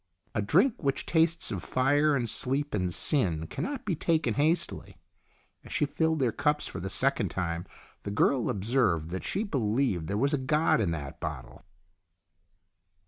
A drink which tastes of fire and sleep and sin cannot be taken hastily. As she filled their cups for the second time, the girl observed that she be lieved there was a god in that bottle.